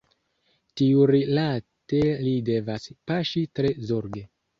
Tiurilate ni devas paŝi tre zorge.